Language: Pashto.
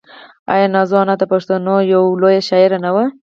آیا نازو انا د پښتنو یوه لویه شاعره نه وه؟